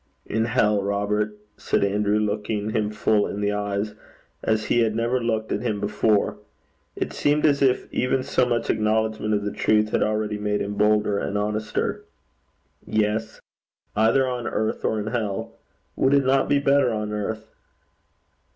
'In hell, Robert,' said Andrew, looking him full in the eyes, as he had never looked at him before. It seemed as if even so much acknowledgment of the truth had already made him bolder and honester. 'Yes. Either on earth or in hell. Would it not be better on earth?'